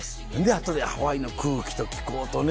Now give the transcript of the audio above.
あとハワイの空気と気候とね。